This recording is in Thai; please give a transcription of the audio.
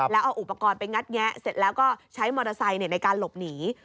แล้วเอาอุปกรณ์ไปงัดแงะเสร็จแล้วก็ใช้มอเตอร์ไซค์ในการหลบหนี